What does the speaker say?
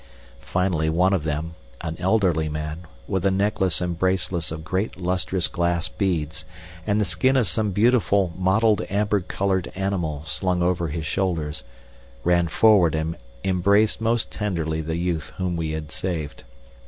Finally one of them, an elderly man, with a necklace and bracelet of great lustrous glass beads and the skin of some beautiful mottled amber colored animal slung over his shoulders, ran forward and embraced most tenderly the youth whom we had saved.